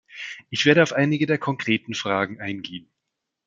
Ich werde auf einige der konkreten Fragen eingehen.